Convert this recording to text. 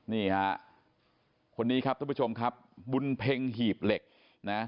นี่ฮะคนนี้ครับท่านผู้ชมครับบุญเพ็งหีบเหล็กนะ